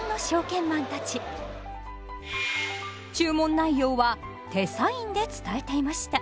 注文内容は手サインで伝えていました。